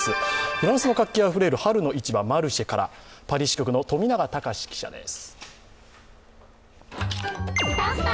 フランスの活気あふれる春の市場マルシェから、パリ支局の富永記者です。